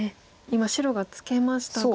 今白がツケましたが。